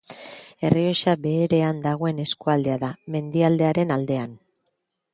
Errioxa Beherean dagoen eskualdea da, mendialdearen aldean.